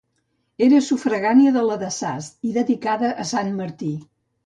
Era sufragània de la de Sas, i dedicada a sant Martí.